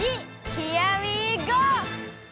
ヒアウィーゴー！